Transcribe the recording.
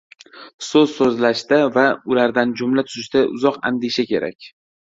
So‘z so‘zlashda va ulardan jumla tuzishda uzoq andisha kerak.